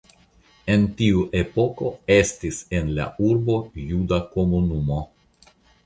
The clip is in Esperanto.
En tiu epoko estis en la urbo juda komunumo.